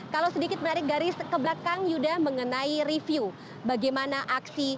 kalau sedikit menarik dari kebelakang yuda mengenai review bagaimana aksi